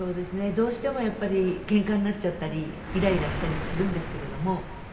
どうしてもやっぱりケンカになっちゃったりイライラしたりするんですけれども。